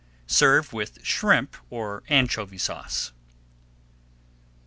Serve with Shrimp or Anchovy Sauce.